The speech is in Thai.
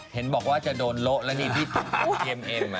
เห็นบอกว่าจะโดนโละแล้วนี่พี่ติดอย่างเย็ม